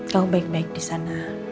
kau baik baik disana